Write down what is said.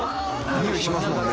においしますもんね。